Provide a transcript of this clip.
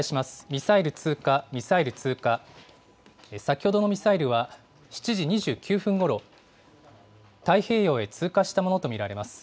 ミサイル通過、ミサイル通過、先ほどのミサイルは、７時２９分ごろ、太平洋へ通過したものと見られます。